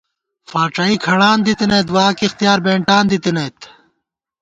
فاڄائی کھڑان دِتَنئیت واک اِختیار بېنٹان دِتَنَئیت